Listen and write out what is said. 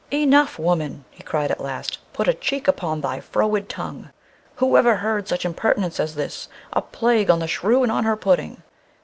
"Enough! woman," he cried at last; "put a check upon thy froward tongue! Who ever heard such impertinence as this! A plague on the shrew and on her pudding!